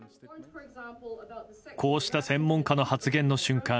こうした専門家の発言の瞬間